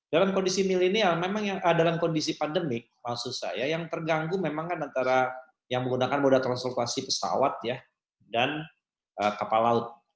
dalam kondisi milenial memang dalam kondisi pandemik maksud saya yang terganggu memang kan antara yang menggunakan moda transportasi pesawat ya dan kapal laut